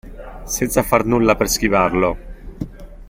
Senza far nulla per schivarlo.